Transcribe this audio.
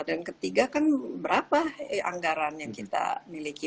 dan ketiga kan berapa anggaran yang kita miliki